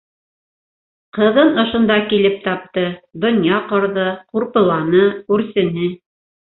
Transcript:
Ҡыҙын ошонда килеп тапты, донъя ҡорҙо, ҡурпыланы, үрсене.